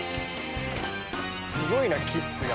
すごいなキスが。